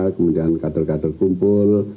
kemudian kader kader kumpul